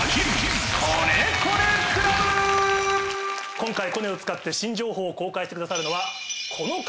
今回コネを使って新情報を公開してくださるのはこの方！